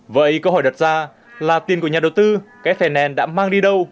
vậy câu hỏi đặt ra là tiền của nhà đầu tư ks finance đã mang đi đâu